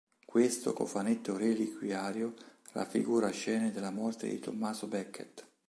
Questo cofanetto reliquiario raffigura scene della morte di Tommaso Becket.